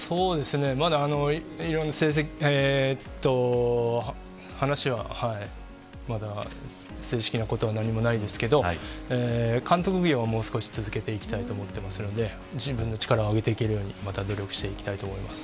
まだ、いろいろ話は正式なことは何もないですけど監督業は、もう少し続けていきたいと思ってますので自分の力を上げていけるようにまた努力していきたいと思います。